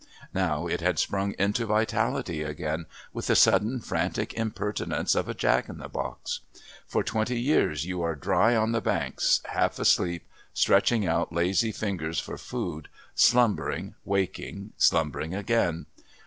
Now it had sprung into vitality again with the sudden frantic impertinence of a Jack in the Box. For twenty years you are dry on the banks, half asleep, stretching out lazy fingers for food, slumbering, waking, slumbering again.